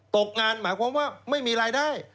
ตกงานหมายความว่าไม่มีรายได้